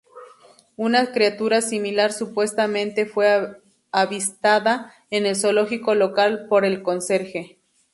Una criatura similar supuestamente fue avistada en el zoológico local por el conserje.